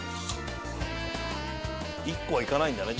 １個はいかないんだね。